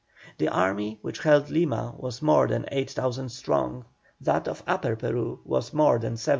The army which held Lima was more than 8,000 strong, that of Upper Peru was more than 7,000.